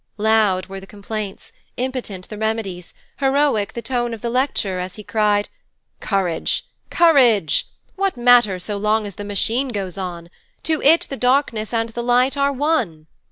Loud were the complaints, impotent the remedies, heroic the tone of the lecturer as he cried: 'Courage! courage! What matter so long as the Machine goes on? To it the darkness and the light are one.'